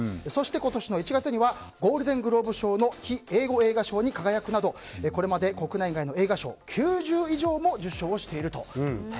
そして今年の１月にはゴールデングローブ賞の非英語映画賞に輝くなどこれまで国内外の映画賞、９０以上も受賞しているという。